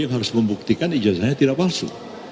harus membuktikan ijazahnya tidak palsu